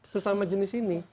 sesama jenis ini